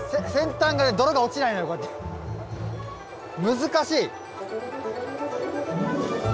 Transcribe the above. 難しい！